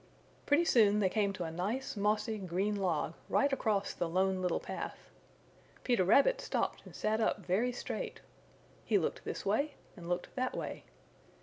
Pretty soon they came to a nice mossy green log right across the Lone Little Path. Peter Rabbit stopped and sat up very straight. He looked this way and looked that way.